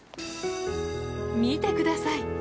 見てください